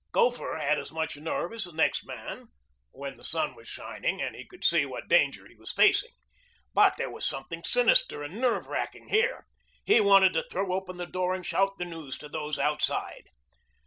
Gopher had as much nerve as the next man when the sun was shining and he could see what danger he was facing. But there was something sinister and nerve racking here. He wanted to throw open the door and shout the news to those outside.